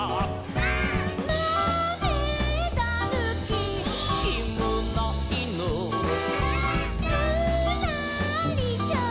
「まめだぬき」「」「きむないぬ」「」「ぬらりひょん」